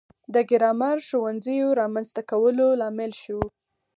د ګرامر ښوونځیو رامنځته کولو لامل شو.